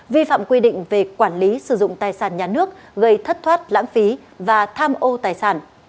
vi phạm quy định về quản lý sử dụng tài sản nhà nước gây thất thoát lãng phí và tham ô tài sản